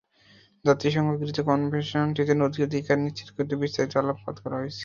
জাতিসংঘ গৃহীত কনভেনশনটিতে নদী অধিকার নিশ্চিত করতে বিস্তারিত আলোকপাত করা হয়েছে।